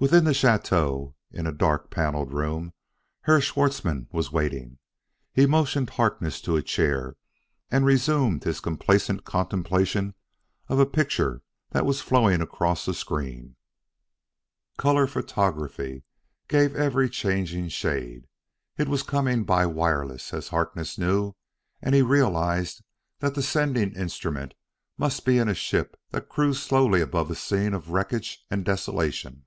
Within the chateau, in a dark paneled room, Herr Schwartzmann was waiting. He motioned Harkness to a chair and resumed his complacent contemplation of a picture that was flowing across a screen. Color photography gave every changing shade. It was coming by wireless, as Harkness knew, and he realized that the sending instrument must be in a ship that cruised slowly above a scene of wreckage and desolation.